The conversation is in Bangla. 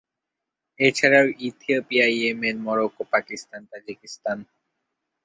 এছাড়াও ইথিওপিয়া, ইয়েমেন, মরক্কো, পাকিস্তান এবং তাজিকিস্তান থেকে আগত কিছু নারী পতিতাবৃত্তিতে জড়িত।